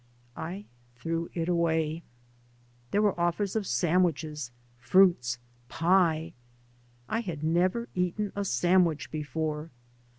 I threw it away. .There were offers of sandwiches, fruits, pie. I had never eaten a sandwich before.